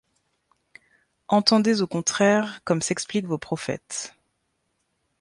Entendez au contraire comme s’expliquent vos Prophètes.